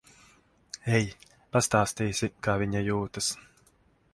Ej. Pastāstīsi, kā viņa jūtas.